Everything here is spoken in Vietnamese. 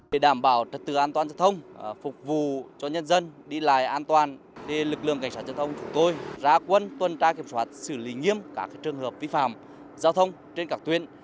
để đảm bảo trật tự an toàn giao thông phục vụ cho nhân dân đi lại an toàn lực lượng cảnh sát giao thông chúng tôi ra quân tuần tra kiểm soát xử lý nghiêm các trường hợp vi phạm giao thông trên các tuyến